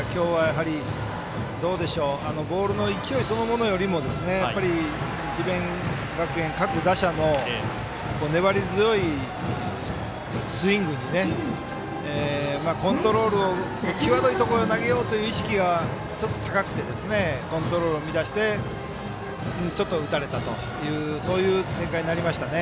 今日はどうでしょうボールの勢いそのものよりも智弁学園各打者の粘り強いスイングにコントロールを際どいところに投げようという意識がちょっと高くてコントロールを乱してちょっと打たれたというそういう展開になりましたね。